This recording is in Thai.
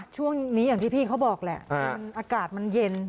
ช่วงนี้อย่างที่พี่เขาบอกแหละอากาศมันเย็น